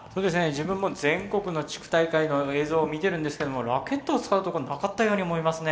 自分も全国の地区大会の映像を見てるんですけどもラケットを使うとこなかったように思いますね。